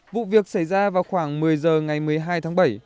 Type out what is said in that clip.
vụ việc xảy ra vào khoảng một mươi giờ ngày một mươi hai tháng bảy